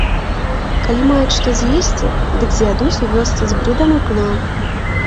Калі маюць што з'есці, дык з'ядуць у вёсцы з брудам і пылам.